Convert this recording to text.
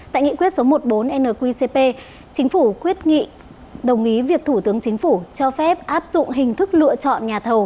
tại nghị quyết số một mươi bốn nqcp chính phủ đồng ý việc thủ tướng chính phủ cho phép áp dụng hình thức lựa chọn nhà thầu